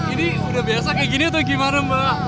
ini udah biasa kayak gini atau gimana mbak